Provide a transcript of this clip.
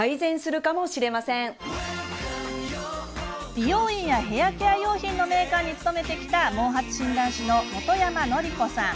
美容院やヘアケア用品のメーカーに勤めてきた毛髪診断士の本山典子さん。